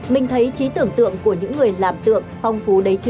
mình thấy trí tưởng tượng của những người làm tượng phong phú đấy